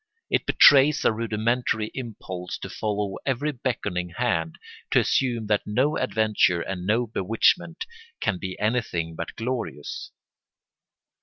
It betrays a rudimentary impulse to follow every beckoning hand, to assume that no adventure and no bewitchment can be anything but glorious.